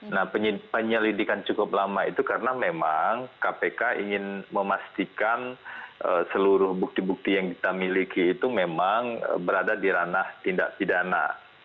nah penyelidikan cukup lama itu karena memang kpk ingin memastikan seluruh bukti bukti yang kita miliki itu memang berada di ranah tindak pidana